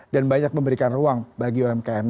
dan banyak memberikan ruang bagi umkm